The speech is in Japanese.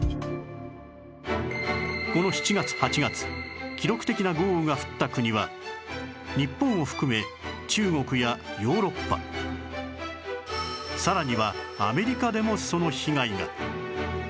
この７月８月記録的な豪雨が降った国は日本を含め中国やヨーロッパさらにはアメリカでもその被害が